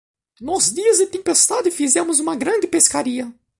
Nos dias de tempestade fizemos uma grande pescaria.